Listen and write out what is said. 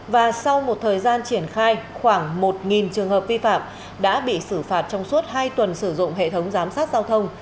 và sau một thời gian triển khai khoảng một trường hợp vi phạm đã bị xử phạt trong suốt hai tuần sử dụng hệ thống giám sát giao thông